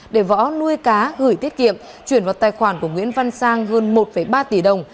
để võ nuôi cá gửi tiết kiệm chuyển vào tài khoản của nguyễn văn sang hơn một ba tỷ đồng